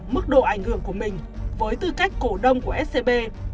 mức độ ảnh hưởng của mình với tư cách cổ đông của scb